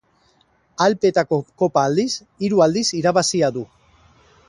Alpeetako Kopa aldiz hiru aldiz irabazia du.